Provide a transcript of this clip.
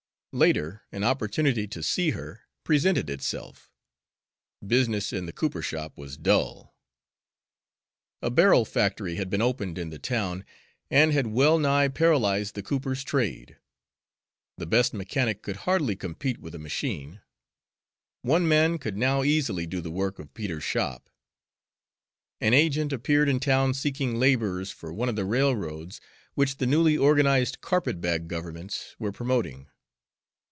Later an opportunity to see her presented itself. Business in the cooper shop was dull. A barrel factory had been opened in the town, and had well nigh paralyzed the cooper's trade. The best mechanic could hardly compete with a machine. One man could now easily do the work of Peter's shop. An agent appeared in town seeking laborers for one of the railroads which the newly organized carpet bag governments were promoting.